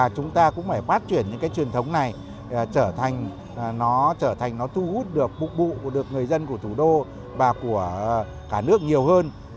chúng ta cũng phải phát triển những truyền thống này trở thành nó thu hút được phục vụ được người dân của thủ đô và của cả nước nhiều hơn